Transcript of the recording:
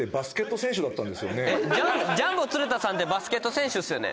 ジャンボ鶴田さんってバスケット選手ですよね？